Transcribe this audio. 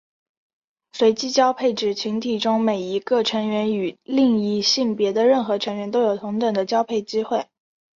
随机交配指群体中每一个成员与另一性别的任何成员都有同等的交配机会。